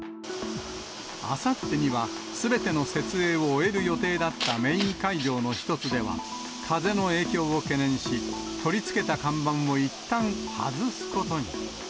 あさってにはすべての設営を終える予定だったメイン会場の一つでは、風の影響を懸念し、取り付けた看板をいったん外すことに。